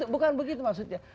bukan begitu maksudnya